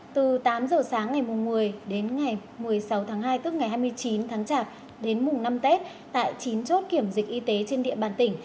từ tám giờ sáng ngày một mươi đến ngày một mươi sáu tháng hai tức ngày hai mươi chín tháng chạp đến mùng năm tết tại chín chốt kiểm dịch y tế trên địa bàn tỉnh